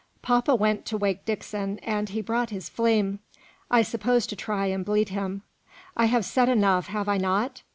"Papa went to wake Dixon, and he brought his fleam I suppose to try and bleed him. I have said enough, have I not?